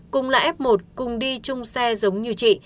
cùng là f một cùng đi chung xe giống như chị